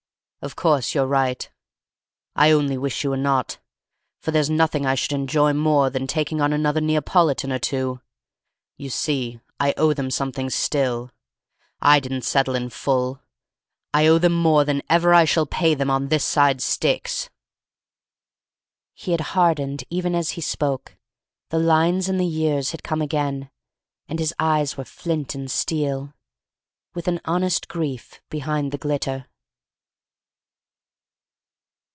Of course you're right. I only wish you were not, for there's nothing I should enjoy more than taking on another Neapolitan or two. You see, I owe them something still! I didn't settle in full. I owe them more than ever I shall pay them on this side Styx!" He had hardened even as he spoke: the lines and the years had come again, and his eyes were flint and steel, with an honest grief behind the glitter.